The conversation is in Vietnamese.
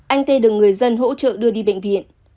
anh tê được người dân hỗ trợ đưa đi bệnh viện